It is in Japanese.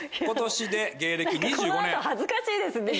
今年で芸歴２５年。